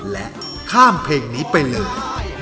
และข้ามเพลงนี้ไปเลย